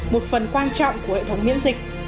một phần quan trọng của hệ thống miễn dịch